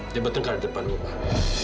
dia bertengkar di depan rumah